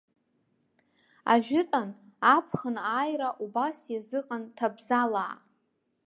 Ажәытәан аԥхын ааира убас иазыҟан ҭабзалаа.